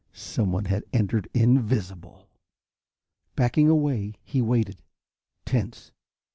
Someone had entered, invisible! Backing away, he waited, tense.